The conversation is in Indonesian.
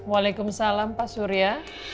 waalaikumsalam pak surya